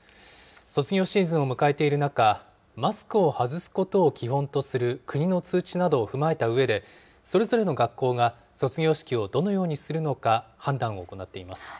卒業シーズンを迎えている中、マスクを外すことを基本とする国の通知などを踏まえたうえで、それぞれの学校が卒業式をどのようにするのか判断を行っています。